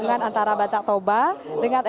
nah terkait tadi bapak sempat menyebutkan